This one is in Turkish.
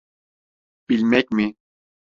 Bilmek mi?